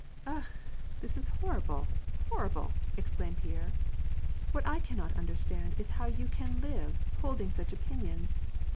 " Akh^ this is horrible, horrible !" exclaimed Pierre. " What I cannot understand is how you can live, holding such opin ions.